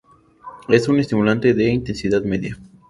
Es un estimulante de intensidad media.